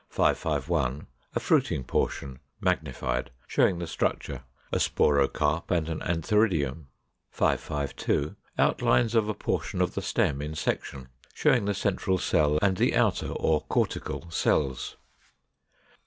551. A fruiting portion, magnified, showing the structure; a sporocarp, and an antheridium. 552. Outlines of a portion of the stem in section, showing the central cell and the outer or cortical cells.